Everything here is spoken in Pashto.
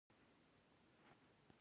د نجونو تعلیم د روژې فضیلت بیانوي.